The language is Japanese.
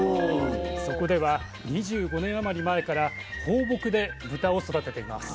そこでは２５年余り前から放牧で豚を育てています。